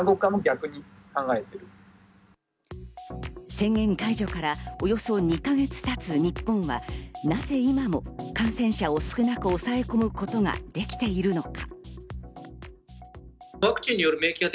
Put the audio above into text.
宣言解除からおよそ２か月たつ日本はなぜ今も感染者を少なく抑え込むことができているのか。